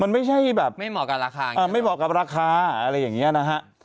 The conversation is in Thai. ไม่เหมาะกับราคาอะไรอย่างนี้นะฮะ